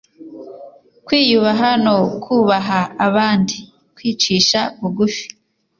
kwiyubaha no kubaha abandi , kwicisha bugufi